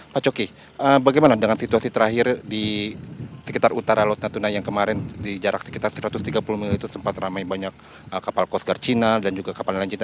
pak coki bagaimana dengan situasi terakhir di sekitar utara laut natuna yang kemarin di jarak sekitar satu ratus tiga puluh mil itu sempat ramai banyak kapal coast guard cina dan juga kapal nelayan cina